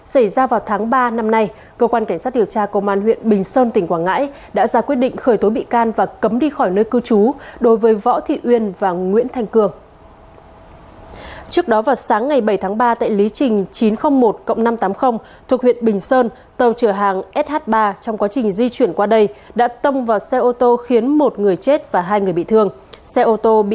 xin chào và hẹn gặp lại trong các bản tin tiếp theo